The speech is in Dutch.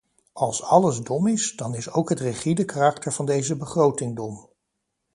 Als alles dom is, dan is ook het rigide karakter van deze begroting dom.